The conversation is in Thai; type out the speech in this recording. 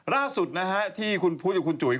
ล่าสุดนะฮะที่คุณพุทธกับคุณจุ๋ย